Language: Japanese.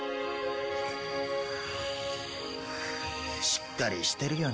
しっかりしてるよな。